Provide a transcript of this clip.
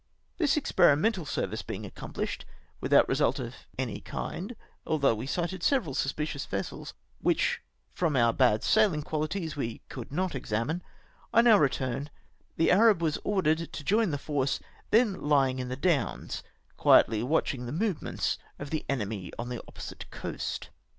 Tliis experimental service being accomphshed, with out result of any kind, although we sighted several suspicious vessels, which from our bad saihng quahties we could not examine ; on our return, the Arab was ordered to join the force then lying in the Downs, quietly watching the movements of the enemy on the opposite coast.